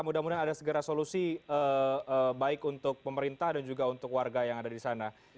mudah mudahan ada segera solusi baik untuk pemerintah dan juga untuk warga yang ada di sana